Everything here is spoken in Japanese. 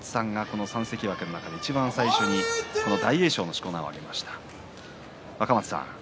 若松さんが３関脇の中でいちばん最初に大栄翔の名前を挙げましたね。